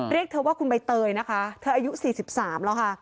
เรียกเธอว่าคุณใบเตยนะคะเธออายุ๔๓แล้วค่ะ